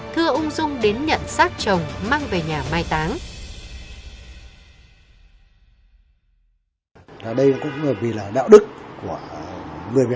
thưa ung dung đến nhận sát chồng